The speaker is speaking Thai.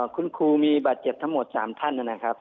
คุณครูมีบาดเจ็บทั้งหมด๓ท่าน